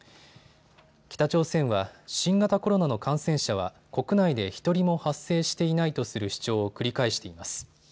北朝鮮は新型コロナの感染者は国内で１人も発生していないとする主張を繰り返しています。